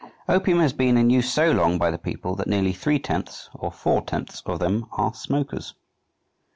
opium has been in use so long by the people that nearly three tenths or four tenths of them are smokers."